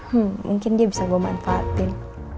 hmm mungkin dia bisa gue manfaatin